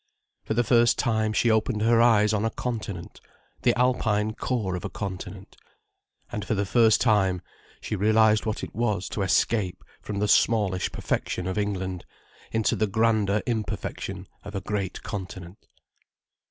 For the first time she opened her eyes on a continent, the Alpine core of a continent. And for the first time she realized what it was to escape from the smallish perfection of England, into the grander imperfection of a great continent.